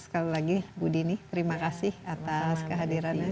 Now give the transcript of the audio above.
sekali lagi bu dini terima kasih atas kehadirannya